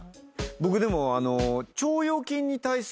僕でも。